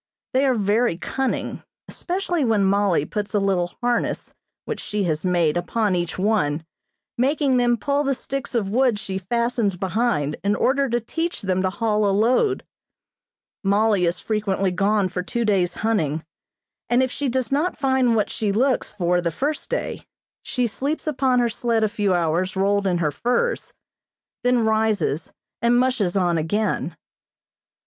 They are very cunning, especially when Mollie puts a little harness which she has made upon each one, making them pull the sticks of wood she fastens behind in order to teach them to haul a load. Mollie is frequently gone for two days hunting, and if she does not find what she looks for the first day she sleeps upon her sled a few hours rolled in her furs, then rises and "mushes" on again.